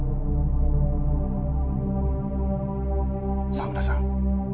沢村さん